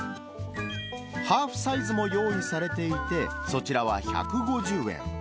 ハーフサイズも用意されていて、そちらは１５０円。